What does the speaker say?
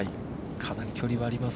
かなり距離はあります。